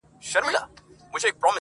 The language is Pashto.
زه چي په هره چهارشنبه يو ځوان لحد ته,